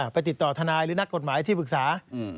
ไปติดต่อทนายหรือนักกฎหมายที่ปรึกษา